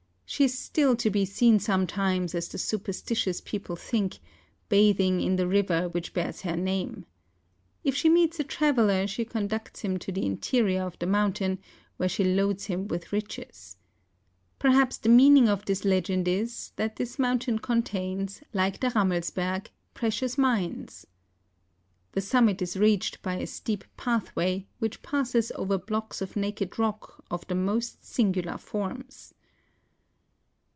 She is still to be seen sometimes, as the superstitious people think,* bathing in the river which bears her name. If she meets a traveller, she conducts him to the interior of the mountain, where she loads him with riches. Perhaps the meaning of this legend is, that this mountain con¬ tains, like the Eammelsberg, precious mines. The summit is reached by a steep pathway, which passes over blocks of naked rock of the most singular forms.